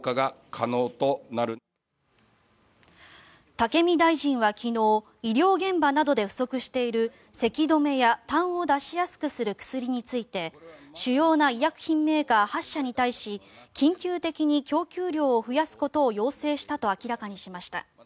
武見大臣は昨日医療現場などで不足しているせき止めやたんを出しやすくする薬について主要な医薬品メーカー８社に対し緊急的に供給量を増やすことを要請したと明らかにしました。